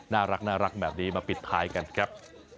น่ารักแบบนี้มาปิดท้ายกันครับ